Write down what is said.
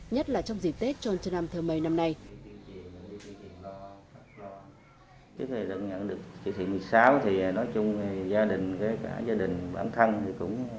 nhất là trong dịp tết chôn châu nam thơ mây năm nay